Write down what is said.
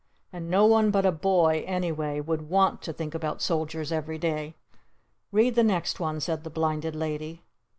And no one but a boy, anyway, would want to think about soldiers every day. Read the next one!" said the Blinded Lady.